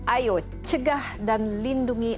ayo cegah dan lindungi